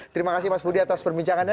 terima kasih mas budi atas perbincangannya